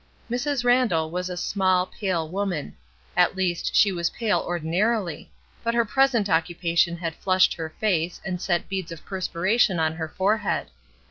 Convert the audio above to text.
Mrs. Randall was a small, pale woman ; at least, she was pale ordinarily, but her present occupation had flushed her face and set beads of perspiration on her forehead.